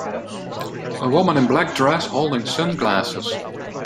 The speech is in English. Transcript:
A woman in a black dress holding sunglasses.